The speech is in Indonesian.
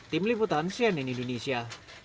tim liputan cnn indonesia